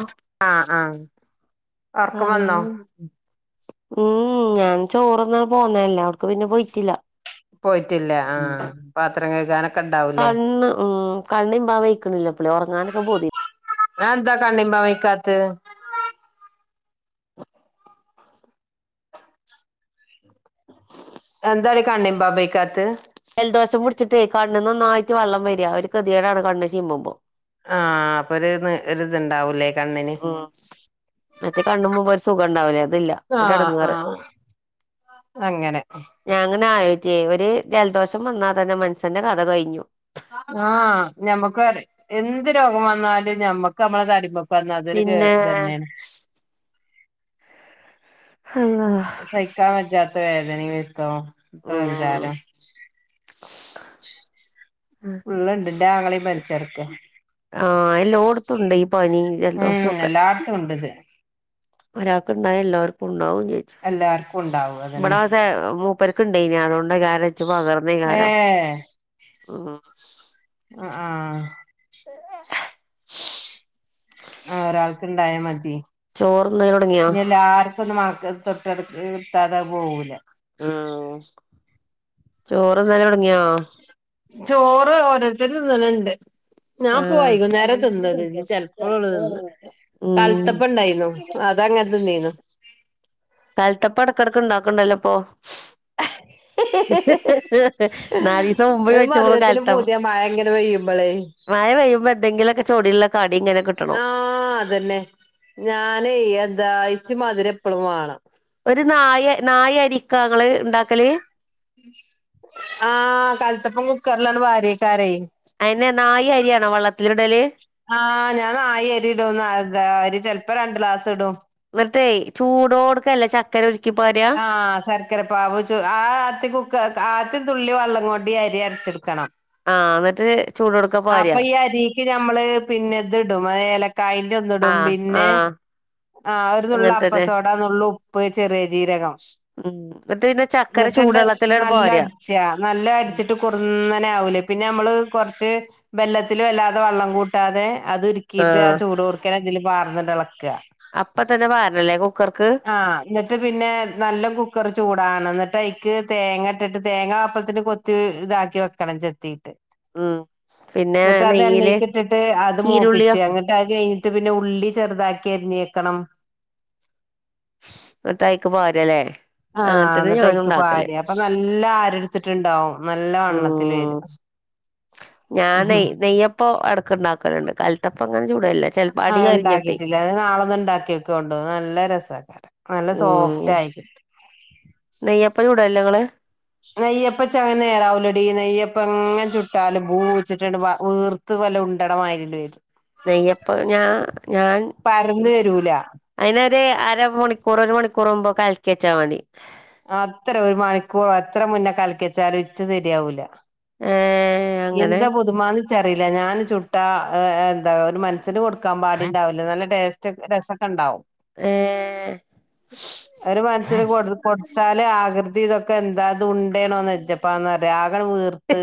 ആഹ് ആഹ് ആഹ് ഉറക്കം വന്നോ പറയൂ ഉം ഞാൻ ചോറ്ന്ന പോന്നല്ലേ അവിട്ക്ക് പിന്നെ പോയിട്ടില്ല പോയിട്ടില്ല ഉം ആഹ് പാത്രം കഴുകാനൊക്കെ ഇണ്ടാവൂലേ കണ്ണ് ഉം കണ്ണിമ്പാവയ്ക്കണില്ല പ്പളെ ഉറങ്ങാനൊക്കെ പൂതി അഎന്താ കണ്ണിമ്പാ വയ്ക്കാത്തെ അതെന്താറിയോ കാണ്ണിബാബൈക്കാത്ത് ജലദോശം പിടിച്ചിട്ടേ കണ്ണിന്നോന്നായിട്ട് വെള്ളം വരി ഒരു ഗതികേടാണ് കണ്ണ് ചിമ്പുമ്പോ ആഹ് അപ്പൊ ഒരു ഒ ഇതുണ്ടാവൂലേ കണ്ണിന് ഉം മറ്റേ കണുമ്പുമ്പ ഒരു സുഖണ്ടാവില്ലേ അതില്ല ആഹ് ഒരെടങ്ങാറ് ആഹ് അങ്ങനെ ഞാങ്ങനെ ആലോയിക്കേ ഒരു ജലദോഷം വന്നാ തന്നെ മനുഷന്റെ കഥ കയ്ഞ്ഞു ആഹ് ഞമ്മക്കറി എന്ത് രോഗം വന്നാലും ഞമ്മക്ക് നമ്മളെ തടിമേ വന്നാ അതൊരു കെ പിന്നെ ഇതെന്നെ അല്ലാഹ് സഹിക്കാ പറ്റാത്ത വേദനേം വെരുത്തും ഉം സഞ്ചാരം ഉള്ളുണ്ട് ഇന്റെ ആങ്ങളീ പനിച്ച് കെടക്കാ ആഹ് എല്ലോട്ത്തുണ്ട് ഈ പനി ഉം ജലദോഷൊക്കെ എല്ലാട്ത്തു ഉണ്ട്ത് ഒരാൾക്ക് ഇണ്ടായ എല്ലാവർക്കുണ്ടാവും ചെജു എല്ലാർക്കും ഉണ്ടാവും ഇവടെ അതന്നെ അതെ മൂപ്പർ ക്ക് ഇണ്ടേനി അതോണ്ട്കാരം ഇച്ച് പകർന്നേകാരം ഏഹ് ഉം അ ആഹ് [inaudible] ആഹ് ഒരാൾക്ക് ഇണ്ടായാ മതി ചോറ്ന്നല് തൊടങ്ങിയോ ഇനി എല്ലാർ [unintelligible] തൊട്ടടുത്ത് നിർത്താത അത് പോകൂല ആഹ് ചോറ്ന്നല് തൊടങ്ങിയോ? ചോറ് ഓരോരുത്തര് തിന്ന്ണുണ്ട് ഞാൻ പോ ആഹ് വൈകുന്നേര തിന്നത് ഇനി ചെലപ്പളൊള്ളു തിന്ന ഉം കലത്തപ്പം ഇണ്ടായിന്നു അതങ്ങനെ തിന്നിനു കലത്തപ്പം എടയ്ക്കിടക്ക് ഉണ്ടാക്ക്ണ്ടല്ലോ ഇപ്പൊ നാലിസം മുമ്പ് ഒരു കയ്ച്ചപ്പളും മധുരത്തിന് കാലത്തപ്പം പൂതിയ [unintelligible] മഴ പെയ്യുമ്പോ എന്തെങ്കിലൊക്കെ ചൊടിയുള്ള കടിങ്ങനെ കിട്ടണം ആഹ് അതെന്നെ ഞാനെയ് എന്താ ഇച്ച് മധുരം എപ്പളും വാണം ഒരു നായ് നായ് അരിക്കാ ഇങ്ങള് ഇണ്ടാക്കല് ആഹ് കാലത്തപ്പം കുക്കറിൽ അണ് പാരു അയ്ക്കാരെയ് അയിനെ നായി അരിയാണോ വെള്ളത്തില് ഇടല് ആഹ് ഞാൻ നായി അരി ഇടും ന്താ അരി ചെലപ്പോ രണ്ട് ഗ്ലാസ് ഇടും എന്നിട്ടേ ചൂടോടുക്കല്ലേ ച ചക്കര ഉരുക്കി പാ ആഹ് ശർ ക്കര പാവ് ച ആ ആ കുക്കർ ആദ്യ തുള്ളി വെള്ളം കൊണ്ട് ഈ അരി അരച്ചെടുക്കണം ആഹ് എന്നിട്ട് ചൂടോട്ക്കെ അപ്പൊ പാരാ ഈ അരിക്ക് ഞമ്മള് പിന്നെ ഇത് ഇടും അ ഏലക്കായന്റെ ഇത് ഇടും ആഹ് പിന്നെ ആഹ് ആഹ് ഒരു നുള്ള് അങ്ങനെ തന്നെ അപ്പസോഡ നുള്ള് ഉപ്പ് ചെറിയ ജീരകം ഉം എന്നിട്ട് പിന്നെ ചക്കര ന്നിട്ടാണ്ട് ചൂടുവെള്ളത്തിലട് നല്ല അ പാരാ ച്ചാ നല്ല അടിച്ചിട്ട് കുറുന്നനെ ആവൂലേ പിന്നെ നമ്മള് കുറച്ച് വെല്ലത്തിൽ വല്ലാതെ വെള്ളം കൂട്ടാതെ അത് ഉരുക്കിയിട്ട് ആ ആഹ് ചൂടോടുക്കെന്നെ ഇതിൽ പാർന്നിട്ട് ഇളക്കാ അപ്പ തന്നെ പാരണല്ലേ കുക്കർക്ക് ആഹ് എന്നിട്ട് പിന്നെ നല്ല കുക്കർ ചൂടാവണം എന്നിട്ട് അയ്ക്ക് തേങ്ങ ഇട്ടിട്ട് തേങ്ങ അപ്പത്തിന് കൊ കൊത്തി ഇതാക്കി വെക്കണം ചെത്തിട്ട് ഉം പിന്നെ എന്നിട്ട് അത് നെയ്യില് എണ്ണയ്ക്ക് ഇട്ടിട്ട് അത് മൂപ്പിച്ച ചീരുള്ളിയോ [unintelligible] ഇന്ന്ട്ട് അത്‌ കഴിഞ്ഞിട്ട് പിന്നെ ഉള്ളി ചെറുതാക്കി അരിഞ്ഞേക്കണം ഇന്നട്ട് അയ്ക്ക് പാരല്ലേ അങ്ങനെ ആഹ് തന്നെ ന്നിട്ട് ഞാനും അയിക്ക് ഉണ്ടാക്കല് പാരാ അപ്പോ നല്ല ആരെടുത്തിട്ടുണ്ടാവും നല്ല വണ്ണത്തിൽ വര ഉം ഉം ഇപ്പോ എടക്ക് ഉണ്ടാക്കലുണ്ട് കാലത്തപ്പം അങ്ങനെ ചൂടലില്ല ഇച്ച് ആഹ് ഉണ്ടാക്കിയിട്ടില്ല അഹ് നാളെ ഒന്ന് ഇണ്ടാക്കി നോകൊണ്ടു നല്ല രസാണ് നല്ല ഉം സോഫ്റ്റ് ആയി നെയ്യപ്പം ചൂടലില്ലേ ഇങ്ങള് നെയ്യപ്പം ഇച്ഛങ്ങനെ നേരാവുലെടീ നെയ്യപ്പ എങ്ങനെ ചുട്ടാലും പൂച്ചിട്ടിണ്ട് വീർ ത്ത് വല്ല ഉണ്ടട മാരിണ് വരും നെയ്യപ്പ ഞാൻ ഞാൻ പരന്ന് വരൂല അയിന് ഒരു അരമണിക്കൂർ ഒരു മണിക്കൂർമ്പോ കാലക്കി ച്ചാൽ മതി അത്ര ഒരു മണിക്കൂറോ എത്ര മുന്നേ കലക്കി ച്ചാലും ഇച്ച് ശരിയാവൂല ഏഹ് അങ്ങനെ എന്താപ്പൊ ച്ചറില്ല ഞാൻ ചുട്ട എന്താ ഒരു മൻസ്ന് കൊടുക്കാൻ പാടുണ്ടാവില്ലേ നല്ല ടേസ്റ്റ് രസക്കെണ്ടാവും ഏഹ് ഒരു മൻസന് കൊടു കൊടുത്താല് ആകൃതി ഇതൊക്കെ എന്താത് ഉണ്ടേണോ നെജ് പ്പാന്ന് പറയും ആകെ വീർത്ത്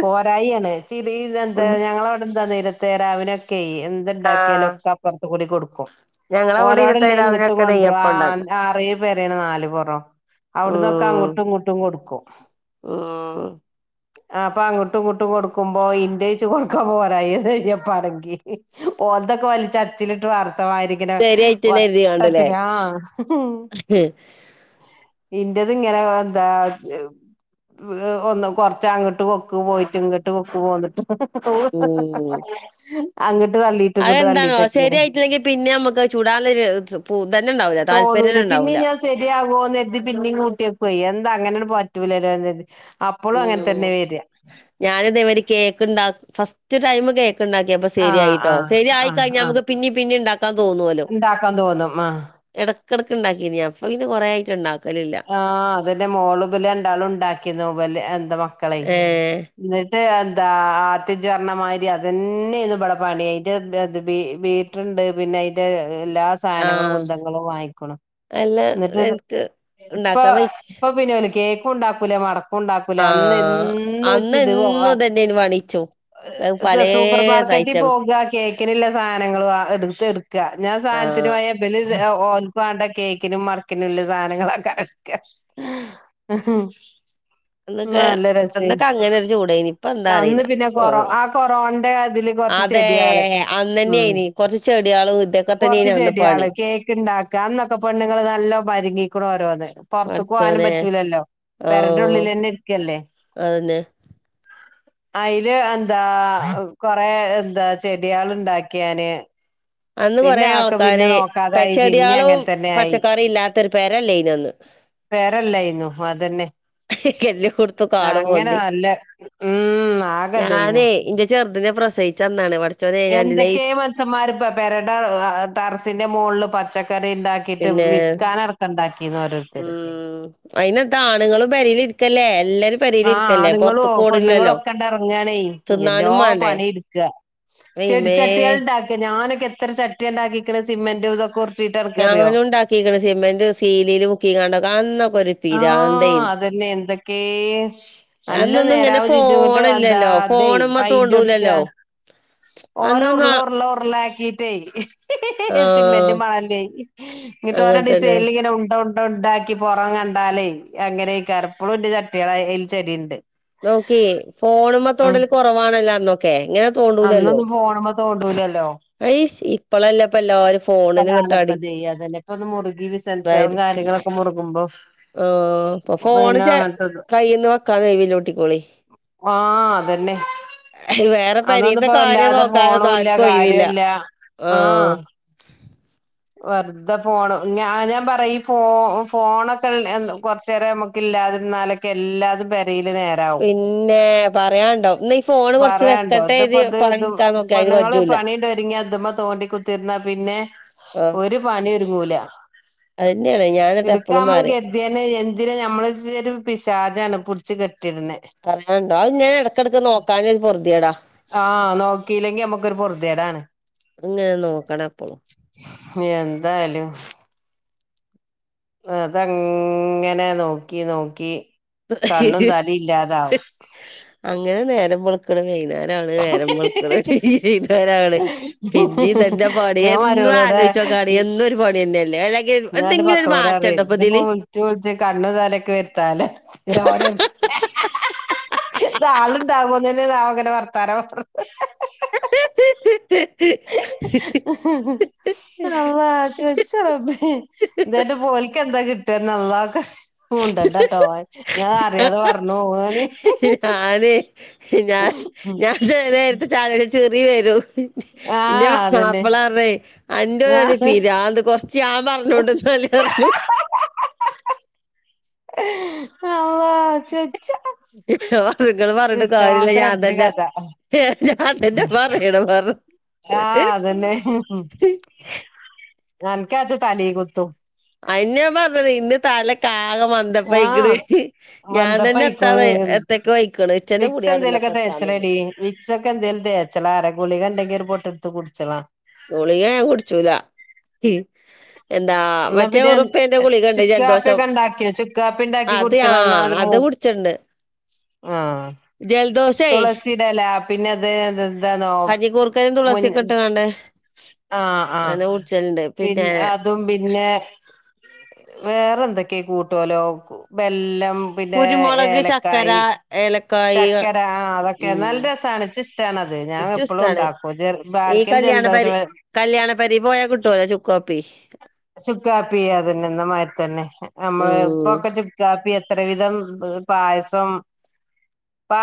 പോവാറായി ആണ് ചിരി ഇ എന്താ ഞങ്ങളവിടെന്താ നേരത്തെ രാവിലെക്കെ എ ന്ത്‌ ഇണ്ടാക്കിയാലും ആഹ് ഒക്കെ അപ്പുറത്ത് കൂടി കൊടുക്കും ഞങ്ങളവിടെ ഇന്നത്തെ ഓലോടല്ലേ ഇങ്ങിട്ടും രാവിലെയൊക്കെ കൊണ്ടറൂം നെയ്യപ്പം ഉണ്ടാക്കും ആ ആറേ പേരണ് നാല് പൊറോ അവിടന്നൊക്കെ അങ്ങോട്ടും ഇങ്ങോട്ടും കൊടുക്കും ഹ് മ് ആ അപ്പൊ അങ്ങോട്ടും ഇങ്ങോട്ടും കൊടുക്കുമ്പോ ഇന്റ ചോർ.. ക്കെ പോരായി പറങ്കി ഓൽതൊക്കെ ഓല് ചച്ചിലിട്ട് വർത്തമായിരി ക്ക്ന ശരിയായിട്ടില്ല കരുതി കാണ്ടല്ലേ വട്ടത്തിനാ ഇന്റത് ഇങ്ങനെ എന്താ ഏഹ് ഒന്നും കൊറച്ച് അങ്ങോട്ട് കൊക്ക് പോയിട്ട് ഇങ്ങോട്ട് കൊക്ക് പോന്നിട്ട് ഉം അങ്ങട്ട് തള്ളി അതെന്താണോ ശെരിയായിട്ടില്ലെങ്കിൽ പിന്നെ നമുക്ക് ചൂടാള്ളൊരു പൂ തന്നെ ഉണ്ടാവില്ല താല്പര്യംന്ന ഉണ്ടാവൂല്ല ശരിയാവോന്ന് കരുതി പിന്നും കൂട്ടിയൊക്ക എന്താ അങ്ങനെയാണ് പറ്റൂലലോന്നരുതി അ ഉം ഞാനിതെവിടെ കേക്ക്ണ്ട ഫസ്റ്റ് ടൈം കേ ക്ക്‌ണ്ടാക്കിയപ്പ ആ ആ ശരിയായിട്ടോ ആ ശരിയയിക്കഴിഞ്ഞ ആ നമുക്ക് പിന്ന പിന്നെ ഉണ്ടാക്കാൻ തോന്നുല്ലോ ഉണ്ടാക്കാൻ തോന്നും ആ ഇടയ്ക്കിടയ്ക്ക് ഉണ്ടാക്കിനി ഞാൻ ഇപ്പൊ ഇത് കുറേ ആയിട്ട് ഉണ്ടാക്കലില്ല ആഹ് അതിന്റെ മോള് പിലെണ്ടാളും ഉണ്ടാക്കിന്ന് പില് എന്താ മക്കളെ ഏഹ് എന്നിട്ട് എന്താ ആത്യജർണ്ണമാതിരി അത് ന്നെ യരുന്നു ഇവിടെ പണി അയിന്റെ ബി ബീ റ്റുറ്ണ്ട് പിന്നെ അതിന്റെ എല്ലാ സാധനങ്ങളും ആഹ് കുന്തങ്ങളും വാങ്ങിക്കണം അല്ല എന്നിട്ട് എനിക്ക് ഇപ്പ ഉണ്ടാക്കാൻ വെയ്ച്ച് ഇപ്പപ്പിന്നെ ഓല് കേക് ഉണ്ടാക്കൂല മട ഉണ്ടാക്കൂല അന്ന് ആഹ് ഇന്ന് അന്ന് ച് ദ് വാ എന്നും ഇതന്നെയ്ന്നു പണീച്ചും പലേ സൂപ്പർ മാർക്കറ്റിൽ ഐറ്റംസ് പോക കേക്കിനില്ല സാധനങ്ങളുവ എടുത്ത് എടു ക്ക്‌ അറിഞ്ഞ ആഹ് സാധനത്തിനുപോയ പിന്നെ ഓൽക്കേണ്ട കേക്കിനും മടക്കിനും ല്ല സാധനങ്ങള കട് ക്ക അന്നൊക്കെ നല്ല രസയ് അന്നൊക്കെ അങ്ങനെ ഒരു ചൂടേനി ഇപ്പ എന്താ അന്ന് അറിയില്ല പിന്നെ കൊറ ആ കൊറോന്റെ അതില് കൊറച്ച് അതെ ചെടികള് ഉം അന്നന്നെയ്നി കൊറച്ച് ചെടികളും ഇതൊക്കെ കൊറച്ച് തന്നെയ്നി അന്ന് ചെടികള് പണി കേക്ക്ണ്ട ക്കാംന്നൊക്കെ പെണ്ണുങ്ങള് നല്ലോ പരിങ്ങിക്ക്‌ണ് ഓരോന്ന് പൊർത്തു പോവാനും പടച്ചോനെ പറ്റൂലല്ലോ പെരെന്റെ ആഹ് ഉള്ളില് തന്നെ ഇരിക്കല്ലേ അതന്നെ അയില് എന്താ കൊറേ എന്താ ചെടികള് ഉണ്ടാക്കിയാന് അന്ന് പിന്നെ കൊറേ ആക്ക് പിന്നെ ആൾക്കാര് നോക്കാതായി പിന്നെ ച്ചെടികളും അങ്ങനെ തന്നെ ആയി പച്ചക്കറി ഇല്ലാത്തരു പേരല്ലേ അയ്നൊന്നും പെരല്ലായിന്നു അതന്നെ എല്ലോട്ത്തും കാടും അങ്ങനെ പൊന്തി നല്ല ഉം ആകെതയ്നു ചെർതിനെ പ്രസയിച്ച അന്നാണ് വട് എന്തൊക്കെ മനസ്ന്മാര്പ്പ പെരടെ ഏഹ് ടറസിന്റെ മോളില് പച്ചക്കറി ഉണ്ടാ കിട്ട് പിന്നെ വിൽക്കാനടക്ക ഉണ്ടാക്കിന്ന് ഓര ഉം അയ്നെന്താ ആണുങ്ങളും പെരയ്ലിരിക്കല്ലേ എല്ലാരും ആഹ് പെരേലിരിക്കല്ലേ ആണ്ങ്ങളോ പൊറത്ത്ക്ക് പെണ്ണുങ്ങള ഓടില്ലല്ലോ ഒക്കെണ്ട ഇറങ്ങണേ എല്ലോ തിന്നാനും മാണ്ടേ പണി എടുക്കുക അയിമ്മേ ചെടിച്ചട്ടികൾ ഉണ്ടാക്ക ഞാനൊക്കെ എത്ര ചട്ടി ഉണ്ടാക്കിക്കിണ് സിമെന്റു ഇതൊക്കെ ഉരുട്ടിയിട്ട് എനക്കറിയോ ഞാനും ഉണ്ടാക്കിക്കിണ് സിമെന്റ് സീലില് മുക്കീങ്ങാണ്ട് ക്കെ അന്നൊക്കെ ഒരു പിരാന്തായ് ആഹ് അതന്നെ എന്തൊക്കേ അല്ല അന്നൊന്നും ഇങ്ങനെ നേരാവ് ചീച്ചുണ്ട് അന്താ ഫോണില്ലല്ലോ അതെ ഫോണ്മ്മെ പൈന്റ് കൊടുക്ക തോണ്ടൂലല്ലോ ഓരോ അന്നൊന്നും ഉരുള ഉരുള ഉരുള ആക്കിട്ടെ ആഹ് സിമെന്റ് മണല്ലയി ഇങ്ങിട്ട് ഓരോ അങ്ങനെ തന്നെ ഡിസൈനിൽ ഇങ്ങനെ ഉണ്ടോ ഉണ്ട ഉണ്ടാക്കി പുറം കണ്ടാലേ അങ്ങനെ കറപ്പളും ഇന്റെ ചട്ടികള അതിൽ ചെടി ഉണ്ട് നോക്കി ഫോണ് മ്മൽ തോണ്ടൽ കുറവാണല്ലോ അന്നോക്കെ ഇങ്ങനെ തോണ്ടൂലല്ലോ അന്നൊന്നും ഫോണുമ്മോ തോണ്ടൂലല്ലോ അയ്ശ് ഇപ്പളല്ലേ ഇപ്പ എല്ലാരും ഫോണിന് ഇപ്പളാണ് ഇങ്ങട്ട് ഇപ്പ ഇതയ് അതല്ലെ ഇപ്പൊ മുറുകി ബിസൻസാളും അടിക്റ്റായത് കാര്യങ്ങളും ഇപ്പം മുറുക്കുമ്പോ ആഹ് ഇപ്പൊ ഫോണ് കയ്ന്ന് വെക്കാ ഒഴിവിലോ ട്ടിക്കേളി ആഹ് അതന്നെ വേറെ ആഹ് അതൊന്നും പരീത്തെ ഇപ്പോ കാര്യം വല്ലാതെ നോക്കാനെന്നും ഫോണും ഇല്ല ആർക്കും ഒഴവില്ല കാര്യല്ല ആഹ് വെറുതെ ഫോൺ ഞാ ഞാൻ പറയും ഈ ഫോ ഫോണൊക്കെ കുറച്ച നേര നമുക്ക് ഇല്ലാതിരാലൊക്കെ എല്ലാതും പെരെല് നേര പിന്നെ പറയണ്ടോ ഇന്ന് ഈ ഫോണ് കൊറച്ച് വെക്കട്ടെ ഇത് പണിടുക്കാൻ നേക്ക പെണ്ണങ്ങള് പണീണ്ട് ഒരിങ്ങാ ഇത്മ്മെ തോണ്ടി കുത്തിരുന്നാ പിന്നെ ആഹ് ഒര് പണി ഒരുങ്ങൂല അതന്നെയാണ് ഞാൻ എന്നിട്ട് ഇടുക്കാ എപ്പളും ഞമ്മള് പറയും കരി [unintelligible] എന്തിന നമ്മള് ഒരു പിശാചാണ് പിടിച്ചു കെട്ടി ഇട്ണെ പറയാനണ്ടോ അയ് ഇങ്ങനെ ഇടക്കിടയ്ക്ക് നോക്കാന പൊറുതേടാ ആഹ് നോക്കിയില്ലെങ്കി നമ്മക്കൊരു പൊറുതേടാണ് ഇങ്ങനെ നോക്കണം എപ്പളും. എന്താ അയാലും അതങ്ങനെ നോക്കി നോക്കി കണ്ണും തല ഇല്ലാതാവും അങ്ങനെ നേരം പോള ക്ക്ണ് വൈന്നരാണ് നേരം വെളക്ക്ണ് വൈന്നെരാണ് പിന്നീതന്നെ പണിയ ഞാൻ എന്നും മരുമോളോട് ആലോചിച്ച ച്ചെ. കാണി ഉം എന്നൊരു പണി തന്നെ അല്ലേ അല്ലെങ്കിൽ എന്തെങ്കിലും ഒരു മാറ്റണ്ടോ ഇപ്പൊ ഇതില് ചോദിച്ച് കണ്ണും തലൊക്കെ വരുത്താവലാണ് ഓരോ അടു ഇത് ആളുണ്ടാകെ ഇങ്ങനെ വർത്താര [unintelligible] അള്ളാ ഇച്ച് വെച്ച റബ്ബേ ഇതായിട്ട ഓല്ക്ക് എന്താ കിട്ടാ അള്ളാക്ക് അറി മുണ്ടണ്ടാട്ടോ ഞാൻ അറിയാതെ പറഞ്ഞു പോവാണ് ഞാന് ഞാന് ഞാന് ചെല നേരത്തെ ചായ ചിറി വരും ഇന്റെ ആഹ് മക്കളെ അതന്നെ മാപ്പിള പറയും അന്റെ ഒരു ആഹ് പിരാന്ത് കൊറച്ച് ഞൻ പറഞ്ഞോണ്ട് ഇന്നാല് പറഞ്ഞു അല്ലാഹ് ഇച്ച് വെച്ച [unintelligible] ഇങ്ങള് പറഞ്ഞിട്ട് കാരില്ല ഞാൻ ഇണ്ട് തതെ കഥ ഞാൻ തന്നെ പറയണം പറഞ്ഞു ആഹ് അതെന്നെ അൻക്കാച്ചാ തലികുത്തും അയിന്നെ ഞാൻ പറഞ്ഞത് ഇന്ന് തല ഇൻക്ക് ആകെ ആഹ് മന്തപ്പയിക്ക്ണ് ഞാൻ തന്നെ എത്താത മന്തപ്പയിക്ക്ണു എത്തക്കെ ആയിക്ക്ണ് വിക്സ് എന്തെലൊക്കെ തേച്ചളെടി ച്ചൊക്ക എന്തോലും തേച്ചളാ പറ ഗുളികണ്ടെങ്കില് ഒര് പോട്ടെടുത്ത് കുടിച്ചളാ ഗുളികാ ഞാൻ കുടിച്ചൂല എന്താ എന്നാ മറ്റേ പിന്നെ ഒറുപ്പേന്റെ ഗുളികണ്ട് ജലദോഷം ചുക്കാപ്പിയൊക്കെ ഇണ്ടാക്കിയോ ചുക്കാപ്പി ഇണ്ടാക്കി അത് കുടിച്ചളാ എന്നാ ആഹ് മൂ അത് കു ച്ചുണ്ട് ആഹ് തുളസിടെ ഇല പിന്നെ ഇത് എന്താന്നോ കഞ്ഞിക്കൂർക്കലും തുളസി മുൻ ഒക്കെ ഇട്ടക്കാണ്ട് ആഹ് ആഹ് അങ്ങനെ കുടിച്ചലുണ്ട് പിന്നെ പിന്നെ വേറെ എന്തൊക്കെയ കൂട്ടേലോ ബെല്ലം പിന്നെ കുരുമുളക് ചക്കര ഏലക്കായി ഏല ചക്കര ആഹ് അതൊക്കെ നല്ല രസണ് ഇച്ച് ഇഷ്ടണത് ഞാൻ ഇച്ചും എപ്പഴും ഇഷ്ടാണ് ഇണ്ടാക്കും ചെർ ഈ ഭർക്കിൽ കല്യാണ ജലദോഷം പരി വെ കല്യാണ പെരീൽ പോയാ കിട്ടുലെ ചുക്ക് കാപ്പി. ചുക്കാപ്പി, അതിന്നെ ന്നെമാരി തന്നെ നമ്മള് ഉം ഇപ്പൊക്കെ ചുക്ക് കാപ്പി എത്ര വിധം പായസം.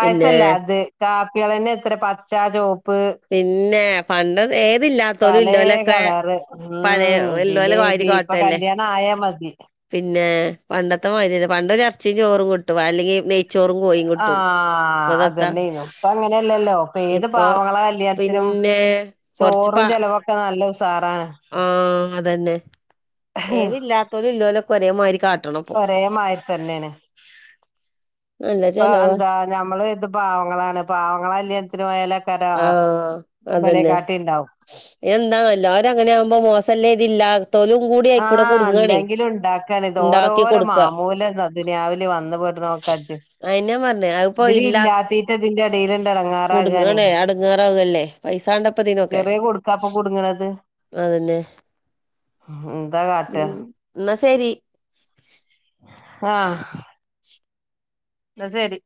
പിന്നെ അത് കാപ്പിളന്നെ എത്ര പച്ചാ, ചോപ്പ് പിന്നെ പണ്ട് ഏതില്ലാത്ത പലേ കളറ്. ഉം. ഇല്ലോലെ വാരി ജിലേബി, ഇപ്പൊ കാട്ടല്ലേ കല്യാണം ആയാമതി. പിന്നെ പണ്ടത്തെ മാതിരി അല്ല. പണ്ട് ഒരു എറച്ചിം, ചോറും കിട്ടും. അല്ലെങ്കിൽ നെയ് ചൊറും കോയിം കി ആഹ്. അതന്നെയേനു ഇപ്പം അങ്ങനെയല്ലല്ലോ. ഇപ്പൊ ഏത് പാവങ്ങളെ കല്യാണത്തിനും പിന്നെ ചോറും ചിലവൊക്കെ നല്ല ഉഷാറാണ്. ആഹ്. അതന്നെ. ഏത് ഇല്ലാത്തോലും ഇല്ലെല്ലുംക്കെ ഒരേ മാതിരി കാട്ട് ഒരേ മാതിരി തന്നെണ്. നല്ല ഇപ്പൊ ചെലവാ എന്താ നമ്മള് കർതും പാവങ്ങളാണ്. പാവങ്ങളെ കല്യാണ ത്തിന് പോയാലേക്കാരം ആ അ ഇബലെ അതന്നെ കാട്ടി ഇണ്ടാവും. എന്താ, എല്ലാരും അങ്ങനെയാവുമ്പോ മോശമല്ലേകർതി, ഇല്ലാ ത്തോലും കൂടി അയിക്കൂടെ ആഹ്. കുടുങ്ങാണേ ഇല്ലെങ്കിലും ഇണ്ടാക്കണ് ഇത് ഇണ്ടാക്കി ഓരോരോ കൊടുക്ക മാമൂല ദുനിയാവില് വന്നുപെടുന്നു ക്ക ഇജ്ജ് അഹേന്നെ ഞാൻ പറഞ്ഞേ. അതിപ്പോ ഇല്ലാത്തോ ഇതിന്റെ എടേല്ണ്ട് കുടുങ്ങും എടങ്ങേറാകാണേ താണ് അടങ്ങാറാവല്ലേ. പൈസ വണ്ടേ ഇപ്പം ഇതിനൊക്കെ. ചെറിയ കുടുക്കാപ്പൊ കുടുങ്ങണത് അതന്നെ എന്താ കാട്ട ഉം എന്നാ ശരി. ആഹ്. എന്നാ ശരി